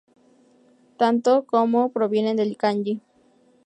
Tanto や como ヤ provienen del kanji 也.